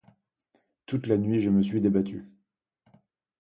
Toute la nuit je me suis débattu.